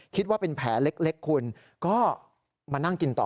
คิดว่าเป็นแผลเล็กคุณก็มานั่งกินต่อ